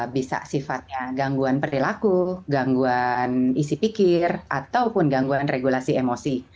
bisa sifatnya gangguan perilaku gangguan isi pikir ataupun gangguan regulasi emosi